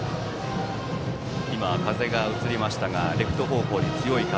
風が映りましたがレフト方向に強い風。